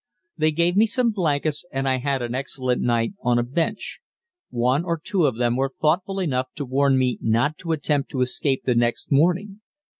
They gave me some blankets, and I had an excellent night on a bench. One or two of them were thoughtful enough to warn me not to attempt to escape the next morning.